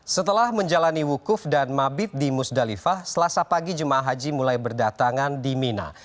setelah menjalani wukuf dan mabit di musdalifah selasa pagi jemaah haji mulai berdatangan di mina